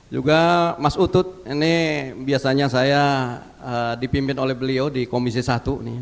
juga mas utut ini biasanya saya dipimpin oleh beliau di komisi satu nih